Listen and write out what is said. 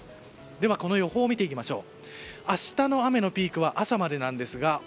では予報を見ていきましょう。